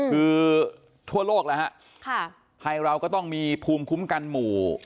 คือทั่วโลกแล้วฮะไทยเราก็ต้องมีภูมิคุ้มกันหมู่